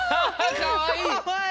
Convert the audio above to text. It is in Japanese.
かわいい！